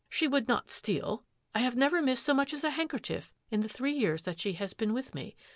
'" She would not steal. I have never missed so a rm much as a handkerchief in the three years that she too has been with me.